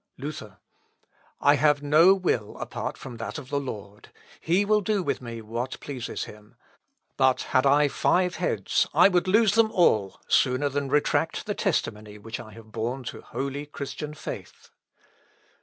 Luther. "I have no will apart from that of the Lord; He will do with me what pleases him. But had I five heads, I would lose them all sooner than retract the testimony which I have borne to holy Christian faith."